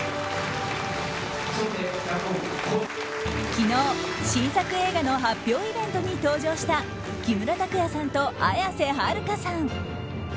昨日、新作映画の発表イベントに登場した木村拓哉さんと綾瀬はるかさん。